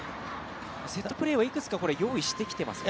セットプレーはいくつか用意してきていますね。